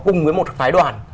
cùng với một thái đoàn